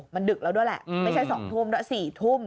มันดึกแล้วด้วยแหละอืมไม่ใช่สองทุ่มเนอะสี่ทุ่มออ